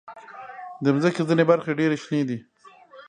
د مځکې ځینې برخې ډېر شنې دي.